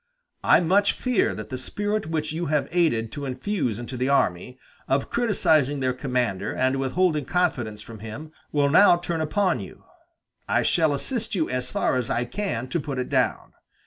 I much fear that the spirit which you have aided to infuse into the army, of criticizing their commander and withholding confidence from him, will now turn upon you. I shall assist you as far as I can to put it down.